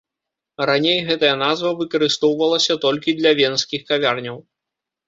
Раней гэтая назва выкарыстоўвалася толькі для венскіх кавярняў.